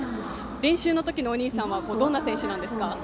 練習のときのお兄さんはどんな選手なんですか？